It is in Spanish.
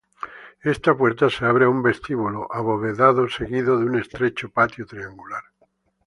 Esta puerta se abre a un vestíbulo abovedado seguido de un estrecho patio triangular.